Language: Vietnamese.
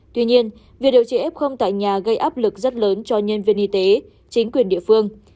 tuy nhiên việc điều trị f tại nhà gây áp lực rất lớn cho nhân viên y tế chính quyền địa phương